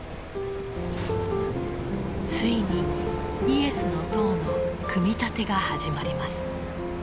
ついにイエスの塔の組み立てが始まります。